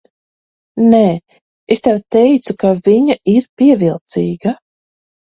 Nē, es tev teicu, ka viņa ir pievilcīga.